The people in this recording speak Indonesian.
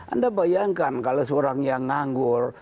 anda bayangkan kalau seorang yang nganggur